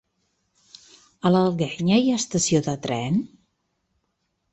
A l'Alguenya hi ha estació de tren?